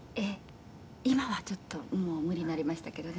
「今はちょっともう無理になりましたけどね」